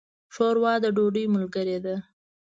ښوروا د ډوډۍ ملګرې ده.